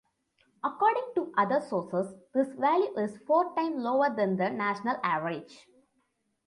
According to other sources, this value is four times lower than the national average.